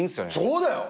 そうだよ！